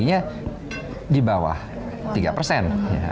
artinya di bawah tiga persen